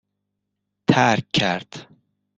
ترک کرد